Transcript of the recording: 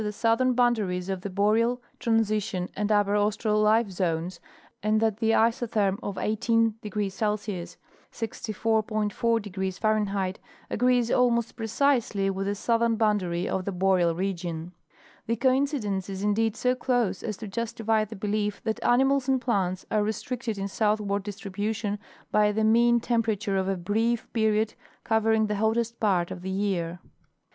the southern boundaries of the Boreal, Transition and Upper Aus tral life zones, and that the isotherm of 18° C. (64°.4 F.) agrees almost precisely with the southern boundary of the Boreal re gion. The coincidence is indeed so close as to justify the belief that animals and plants are restricted in southward distribution by the mean temperature of a brief period covering the hottest part of the year.